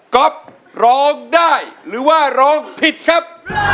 ๊อฟร้องได้หรือว่าร้องผิดครับ